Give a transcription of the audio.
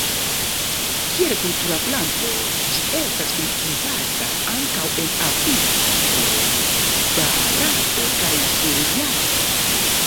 Kiel kultura planto ĝi estas kultivata ankaŭ en Afriko, Barato kaj sur Javo.